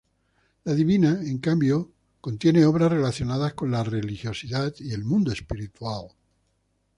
La Divina, en cambio, contiene obras relacionadas con la religiosidad y el mundo espiritual.